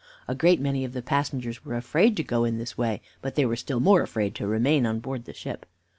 A great many of the passengers were afraid to go in this way, but they were still more afraid to remain on board the ship."